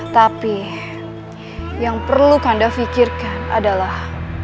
tapi yang perlu kanda fikirkan adalah